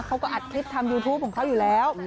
เขาก็อัดคลิปทำยูทูปของเขาอยู่แล้ว